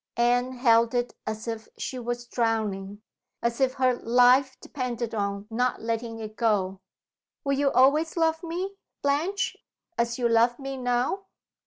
Anne held it as if she was drowning, as if her life depended on not letting it go. "Will you always love me, Blanche, as you love me now?"